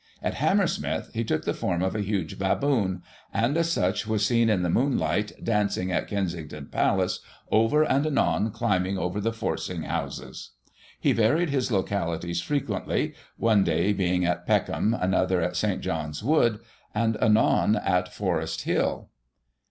At Hammersmith he took the form of a huge baboon, and as such was seen in the moonlight, dancing at Kensington Palace, ever and anon climbing over the forcing houses. He varied his localities frequently, one day being at Peckham, another at St. John's Wood, and anon at Forest Hill.